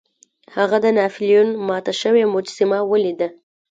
هغه د ناپلیون ماته شوې مجسمه ولیده.